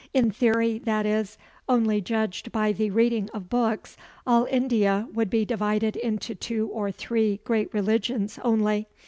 In theory, that is, only judged by the reading of books, all India would be divided into two or three great religions only.